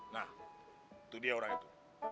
nah itu dia orang itu